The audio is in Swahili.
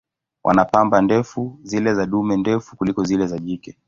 Wana pamba ndefu, zile za dume ndefu kuliko zile za jike.